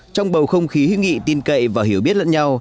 trong bầu không khí hữu nghị tin cậy và hiểu biết lẫn nhau